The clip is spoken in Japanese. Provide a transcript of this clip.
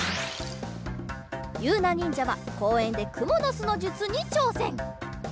ゆうなにんじゃはこうえんでくものすのじゅつにちょうせん。